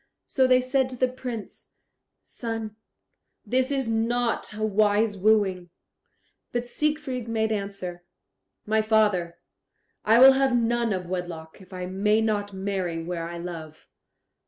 So they said to the Prince, "Son, this is not a wise wooing." But Siegfried made answer, "My father, I will have none of wedlock, if I may not marry where I love."